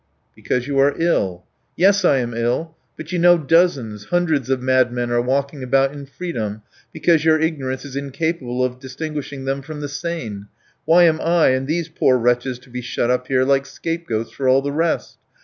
"Because you are ill." "Yes, I am ill. But you know dozens, hundreds of madmen are walking about in freedom because your ignorance is incapable of distinguishing them from the sane. Why am I and these poor wretches to be shut up here like scapegoats for all the rest?